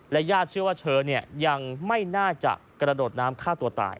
ญาติเชื่อว่าเธอยังไม่น่าจะกระโดดน้ำฆ่าตัวตาย